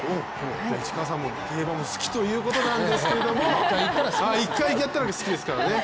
市川さんも、競馬が好きということなんですけど１回やったら好きですからね。